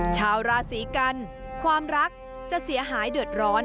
ชาวราศีกันความรักจะเสียหายเดือดร้อน